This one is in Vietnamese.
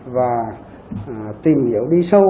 và tìm hiểu đi sâu